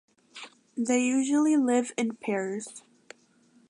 They usually live in pairs.